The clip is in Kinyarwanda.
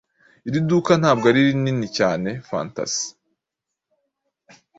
Iri duka ntabwo rinini cyanefantasi